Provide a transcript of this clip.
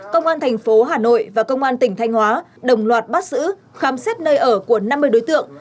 công an thành phố hà nội và công an tỉnh thanh hóa đồng loạt bắt giữ khám xét nơi ở của năm mươi đối tượng